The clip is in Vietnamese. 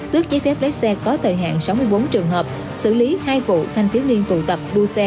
trước giấy phép lấy xe có thời hạn sáu mươi bốn trường hợp xử lý hai vụ thanh thiếu niên tù tập đua xe